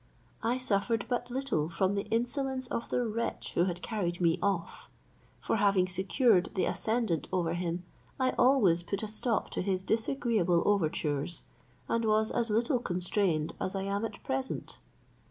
I suffered but little from the insolence of the wretch who had carried me off; for having secured the ascendant over him, I always put a stop to his disagreeable overtures, and was as little constrained as I am at present.